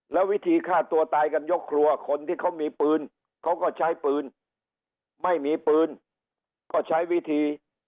แล้ววิธีฆ่าตัวตายกันยกครัวคนที่เขามีปืนเขาก็ใช้ปืนไม่มีปืนก็ใช้วิธี